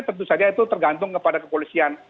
tentu saja itu tergantung kepada kepolisian